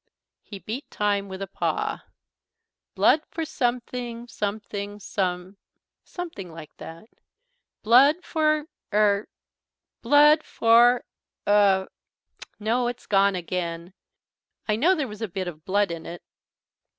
He beat time with a paw. "'Blood for something, something, some ' Something like that. 'Blood for er blood for er ' No, it's gone again. I know there was a bit of blood in it."